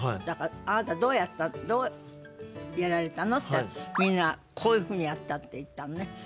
だから「あなたどうやった？どうやられたの？」って「みんなこういうふうにやった」って言ったのね。